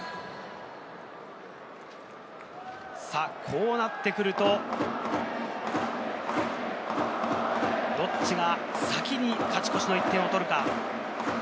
こうなってくると、どっちが先に勝ち越しの１点を取るか。